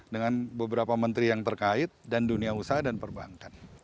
dengan beberapa menteri yang terkait dan dunia usaha dan perbankan